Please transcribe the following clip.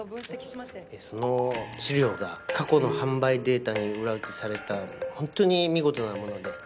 その資料が過去の販売データに裏打ちされた本当に見事なもので。